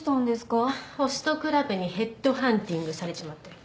はぁホストクラブにヘッドハンティングされちまったよ。